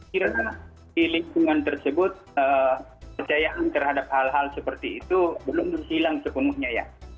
kira di lingkungan tersebut kepercayaan terhadap hal hal seperti itu belum hilang sepenuhnya ya